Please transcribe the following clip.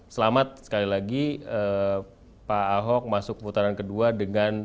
selamat sekali lagi pak ahok masuk putaran kedua dengan